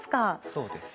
そうです。